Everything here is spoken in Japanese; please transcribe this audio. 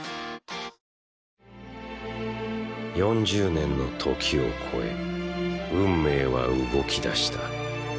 ４０年の時を超え運命は動きだした。